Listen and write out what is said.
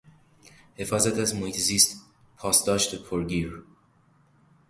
حفاظت از محیط زیست، پاسداشت پرگیر